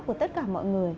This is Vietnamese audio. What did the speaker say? của tất cả mọi người